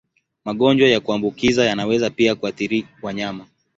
Magonjwa ya kuambukiza yanaweza pia kuathiri wanyama.